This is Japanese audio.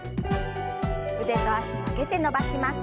腕と脚曲げて伸ばします。